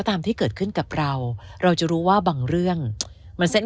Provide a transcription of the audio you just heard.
ตามที่เกิดขึ้นกับเราเราจะรู้ว่าบางเรื่องมันเส้น